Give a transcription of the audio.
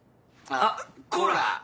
あっコーラ。